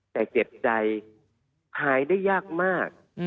แต่เจ็บใจหายได้ยากมาก